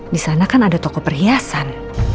disana kan ada toko perhiasan